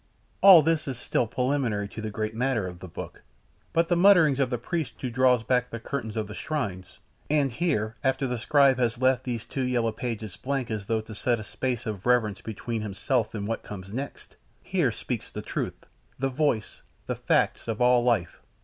"All this is still preliminary to the great matter of the book, but the mutterings of the priest who draws back the curtains of the shrine and here, after the scribe has left these two yellow pages blank as though to set a space of reverence between himself and what comes next here speaks the truth, the voice, the fact of all life."